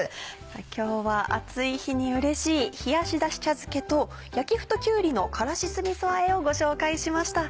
今日は暑い日にうれしい「冷やしだし茶漬け」と「焼き麩ときゅうりの辛子酢みそあえ」をご紹介しました。